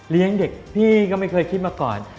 เด็กพี่ก็ไม่เคยคิดมาก่อน